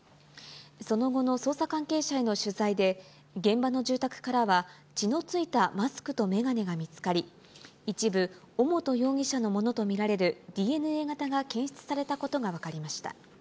その後の捜査関係者への取材で、現場の住宅からは、血のついたマスクと眼鏡が見つかり、一部、尾本容疑者のものと見られるＤＮＡ型が検出されたことが分かりました。